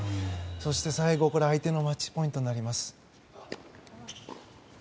そして最後、相手のマッチポイントになります。